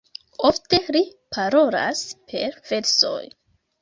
Ofte li parolas per versoj.